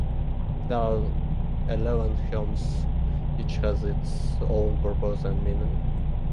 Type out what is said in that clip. There are eleven hymns; each has its own purpose and meaning.